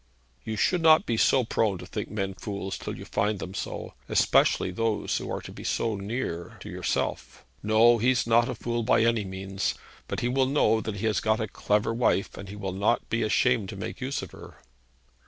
'You should not be so prone to think men fools till you find them so; especially those who are to be so near to yourself. No; he's not a fool by any means. But he will know that he has got a clever wife, and he will not be ashamed to make use of her.'